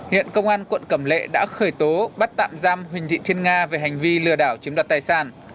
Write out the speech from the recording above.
hiện công an quận cẩm lệ đã khởi tố bắt tạm giam huỳnh thị thiên nga về hành vi lừa đảo chiếm đoạt tài sản